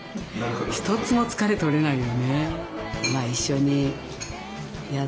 一つも疲れ取れないよね。